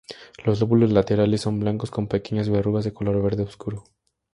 Los lóbulos laterales son blancos con pequeñas verrugas de color verde oscuro.